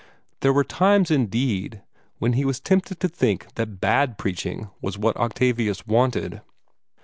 There were times, indeed, when he was tempted to think that bad preaching was what Octavius wanted.